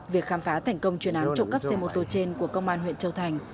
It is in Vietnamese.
việc khám phá thành công chuyên án trộm cắp xe mô tô trên của công an huyện châu thành